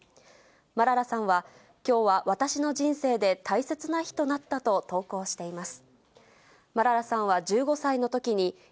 マララさんは、きょうは私の人生で大切な日となったと投稿しています。